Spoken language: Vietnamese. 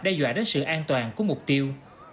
đe dọa đến sự an toàn của mục tiêu